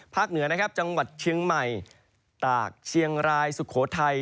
เหนือนะครับจังหวัดเชียงใหม่ตากเชียงรายสุโขทัย